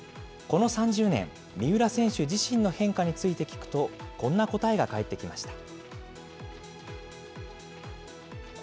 この３０年、三浦選手自身の変化について聞くと、こんな答えが返ってきました。